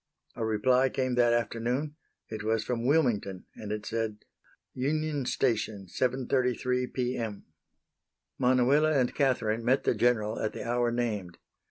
A reply came that afternoon. It was from Wilmington, and it said: "Union Station, 7.33 P. M." Manuela and Catherine met the General at the hour named.